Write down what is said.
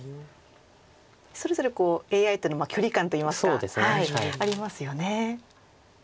それぞれＡＩとの距離感といいますかありますよね。